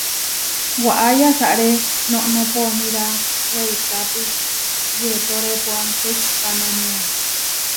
Waʼá yasaré noʼnó poníra weikápu yetórepua tekihpanámia.